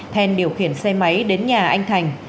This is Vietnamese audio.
then điều khiển xe máy đến nhà anh thành